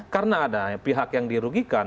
karena ada pihak yang dirugikan